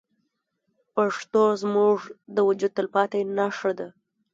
پښتو زموږ د وجود تلپاتې نښه ده.